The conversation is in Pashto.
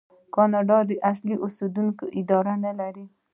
آیا کاناډا د اصلي اوسیدونکو اداره نلري؟